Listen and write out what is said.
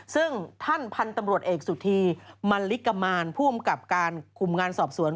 ซึ่งท่านพันธุ์ตำรวจเอกสุธีมันลิกมารผู้อำกับการคุมงานสอบสวน